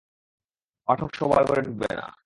পাঠক শোবার ঘরে ঢুকবে না।